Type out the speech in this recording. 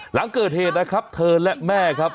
หลังเกิดเหตุนะครับเธอและแม่ครับ